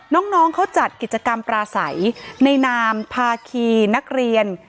น้องเขาจัดกิจกรรมปราศัยในนามภาคีนักเรียน